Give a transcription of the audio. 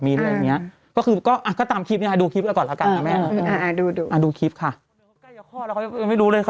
มีการแถลงอยู่ค่ะ